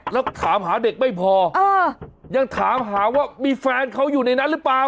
แล้วถามหาเด็กไม่พอยังถามหาว่ามีแฟนเขาอยู่ในนั้นหรือเปล่า